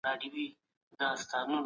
د پيغمبر ص وينا پر سر او سترګو ومنئ.